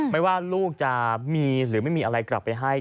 ไม่ว่าลูกจะมีหรือไม่มีอะไรกลับไปให้